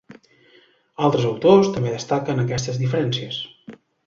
Altres autors també destaquen aquestes diferències.